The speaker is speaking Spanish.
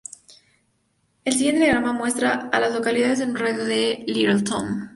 El siguiente diagrama muestra a las localidades en un radio de de Littleton.